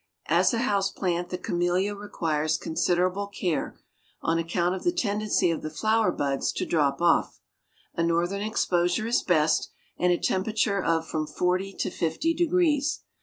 As a house plant the Camellia requires considerable care, on account of the tendency of the flower buds to drop off. A northern exposure is best, and a temperature of from forty to fifty degrees.